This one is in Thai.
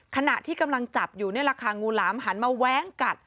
ขณะที่กำลังจับอยู่นี่แหละค่ะงูหลามหันมาแว้งกัด